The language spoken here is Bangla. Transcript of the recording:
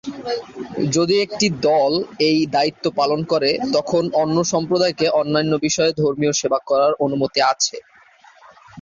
যদি একটি দল এই দায়িত্ব পালন করে, তখন অন্য সম্প্রদায়কে অন্যান্য বিষয়ে ধর্মীয় সেবা করার অনুমতি আছে।